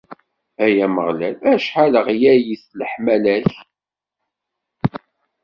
Ay Ameɣlal, acḥal ɣlayet leḥmala-k!